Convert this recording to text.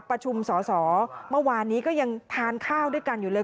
ประชุมสอสอเมื่อวานนี้ก็ยังทานข้าวด้วยกันอยู่เลย